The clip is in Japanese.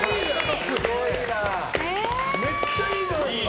めっちゃいいじゃないですか。